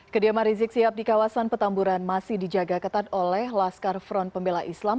kediaman rizik sihab di kawasan petamburan masih dijaga ketat oleh laskar front pembela islam